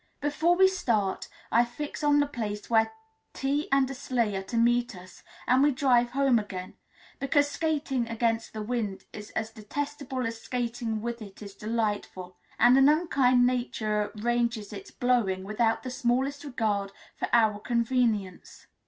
Before we start, I fix on the place where tea and a sleigh are to meet us, and we drive home again; because skating against the wind is as detestable as skating with it is delightful, and an unkind Nature arranges its blowing without the smallest regard for our convenience.